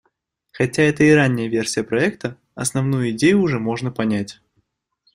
Хотя это и ранняя версия проекта, основную идею уже можно понять.